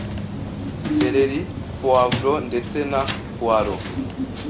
Sereri, Poivron, ndetse na Poireaux